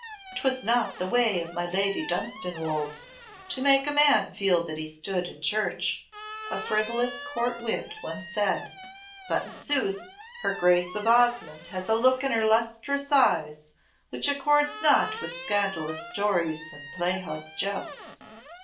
"'Twas not the way of my Lady Dunstanwolde to make a man feel that he stood in church," a frivolous court wit once said, "but in sooth her Grace of Osmonde has a look in her lustrous eyes which accords not with scandalous stories and playhouse jests."